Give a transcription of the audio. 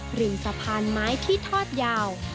หรือสะพานไม้ที่ทอดยาว